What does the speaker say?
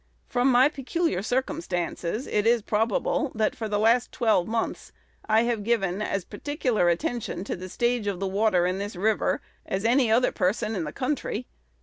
From my peculiar circumstances, it is probable, that for the last twelve months I have given as particular attention to the stage of the water in this river as any other person in the country.